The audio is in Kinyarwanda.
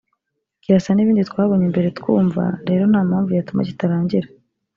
kirasa n’ibindi twabonye mbere twumva ; rero nta mpamvu yatuma kitarangira